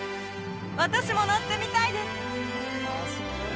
私も乗ってみたいです